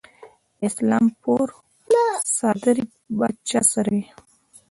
د اسلام پور څادرې به چا سره وي؟